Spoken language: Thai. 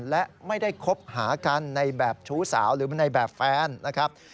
และไม่ได้คบหากันในแบบชู้สาวหรือในแบบแฟนนะครับ